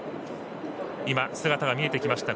今、姿が見えてきました。